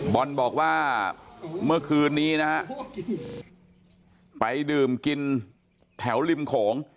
บอลบอกว่าเมื่อคืนนี้นะฮะไปดื่มกินแถวริมโขง